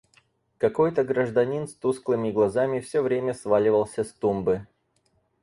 Какой-то гражданин с тусклыми глазами всё время сваливался с тумбы.